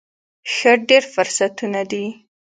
ښه، ډیر فرصتونه دي